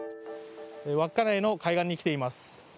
稚内の海岸に来ています。